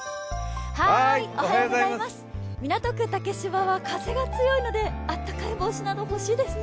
港区竹芝は風が強いのであったかい帽子など欲しいですね。